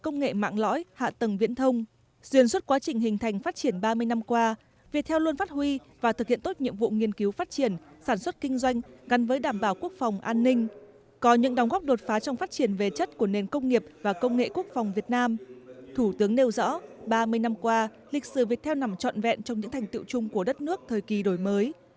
ba mươi năm qua lịch sử việt heo nằm trọn vẹn trong những thành tựu chung của đất nước thời kỳ đổi mới